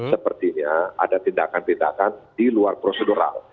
jadi itu artinya ada tindakan tindakan di luar prosedural